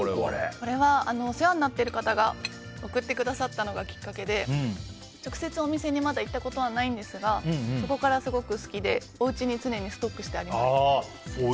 これは、お世話になってる方が贈ってくださったのがきっかけで直接お店にまだ行ったことはないんですがそこからすごく好きでおうちに常にストックしてあります。